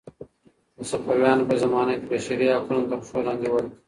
د صفویانو په زمانه کې بشري حقونه تر پښو لاندې ول.